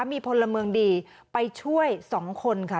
มีพลเมืองดีไปช่วย๒คนค่ะ